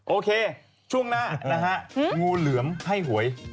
โอเคช่วงหน้านะฮะงูเหลือมให้หวย